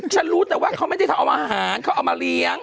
รู้แต่ว่าเขาไม่ได้ทำเอาอาหารเขาเอามาเลี้ยง